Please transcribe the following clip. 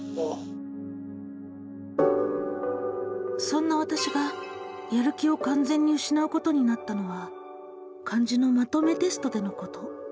「そんな私がやる気をかん全にうしなうことになったのは漢字のまとめテストでのこと。